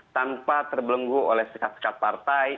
tanpa terbelenggu oleh sekat sekat partai